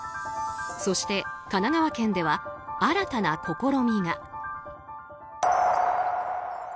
そして、神奈川県では新たな試みが。